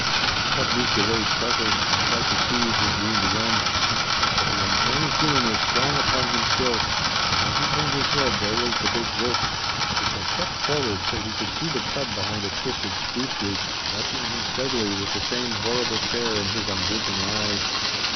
The cub moved away startled and tried to soothe his wound again; but the uncanny feeling was strong upon him still, and when he turned his head there was the big wolf, which had crept forward till he could see the cub behind a twisted spruce root, watching him steadily with the same horrible stare in his unblinking eyes.